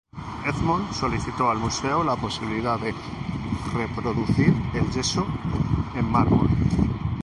Edmond solicitó al museo la posibilidad de reproducir el yeso en mármol.